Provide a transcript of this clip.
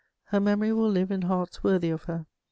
Her memory will live in hearts worthy of her.